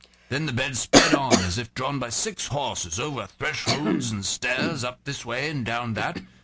Then the bed sped on as if drawn by six horses, over thresholds and stairs, up this way and down that.